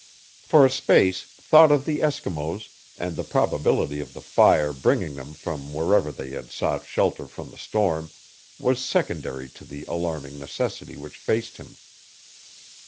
For a space thought of the Eskimos, and the probability of the fire bringing them from wherever they had sought shelter from the storm, was secondary to the alarming necessity which faced him.